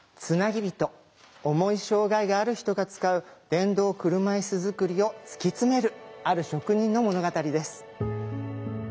重い障害がある人が使う電動車いす作りを突き詰めるある職人の物語です。